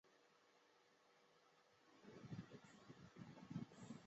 世界最高海拔机场列表列出世界上海拔高度在及以上的商业机场。